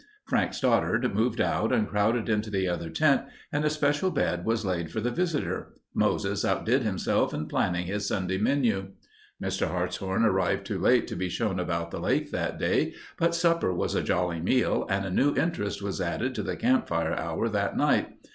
Frank Stoddard moved out and crowded into the other tent, and a special bed was laid for the visitor. Moses outdid himself in planning his Sunday menu. Mr. Hartshorn arrived too late to be shown about the lake that day, but supper was a jolly meal and a new interest was added to the campfire hour that night.